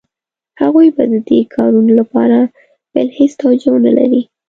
هغوی به د دې کارونو لپاره بله هېڅ توجیه ونه لري.